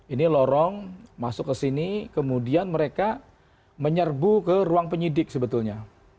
ini lorong masuk ke sini kemudian mereka menyerbu ke ruang penyidik sebetulnya